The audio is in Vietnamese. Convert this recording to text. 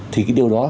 thì cái điều đó